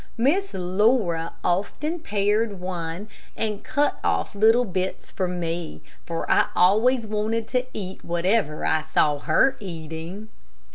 Miss Laura often pared one and cut off little bits for me, for I always wanted to eat whatever I saw her eating.